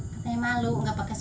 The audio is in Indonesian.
katanya malu enggak pakai sepatu